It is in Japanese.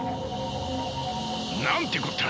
なんてこった。